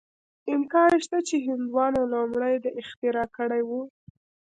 امکان شته چې هندوانو لومړی دا اختراع کړې وه.